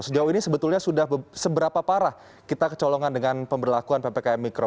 sejauh ini sebetulnya sudah seberapa parah kita kecolongan dengan pemberlakuan ppkm mikro